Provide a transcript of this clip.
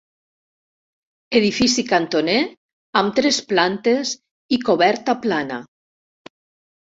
Edifici cantoner, amb tres plantes i coberta plana.